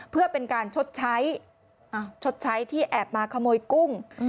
เพื่อเป็นการชดใช้ชดใช้ที่แอบมาขโมยกุ้ง